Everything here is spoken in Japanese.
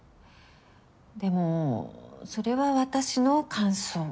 でもそれは私の感想。